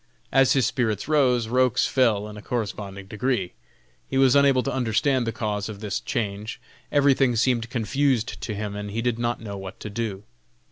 As his spirits rose, Roch's fell in a corresponding degree. He was unable to understand the cause of this change; everything seemed confused to him, and he did not know what to do.